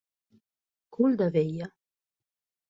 Cul de vella.